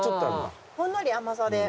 ほんのり甘さで。